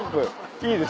いいです。